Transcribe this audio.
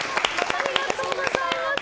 ありがとうございます。